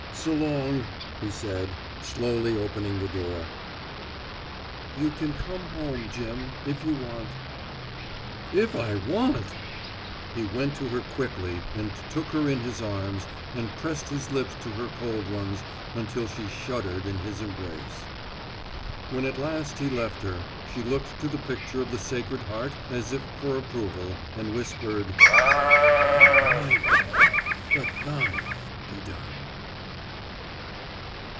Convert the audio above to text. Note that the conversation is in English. "S'long," he said, slowly opening the door. "You can come home, Jim if you want." "If I want!" He went to her quickly and took her in his arms and pressed his lips to her cold ones until she shuddered in his embrace. When at last he left her she looked to the picture of the Sacred Heart as if for approval, and whispered, "Not my will, but Thine, be done."